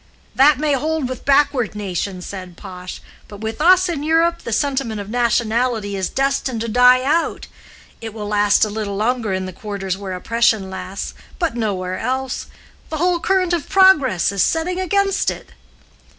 "That may hold with backward nations," said Pash, "but with us in Europe the sentiment of nationality is destined to die out. It will last a little longer in the quarters where oppression lasts, but nowhere else. The whole current of progress is setting against it."